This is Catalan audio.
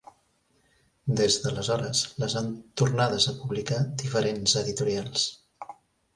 Des d'aleshores les han tornades a publicar diferents editorials.